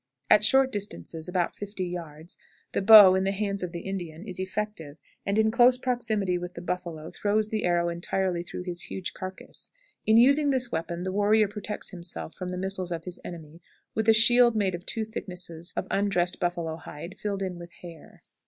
At short distances (about fifty yards), the bow, in the hands of the Indian, is effective, and in close proximity with the buffalo throws the arrow entirely through his huge carcass. In using this weapon the warrior protects himself from the missiles of his enemy with a shield made of two thicknesses of undressed buffalo hide filled in with hair.